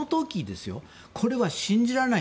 これは信じられない。